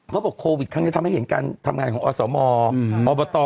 เขาบอกโควิดครั้งนี้ทำให้เห็นการทำงานของอสมอบต